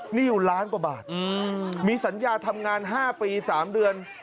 หนี้อยู่ล้านกว่าบาทมีสัญญาทำงาน๕ปี๓เดือน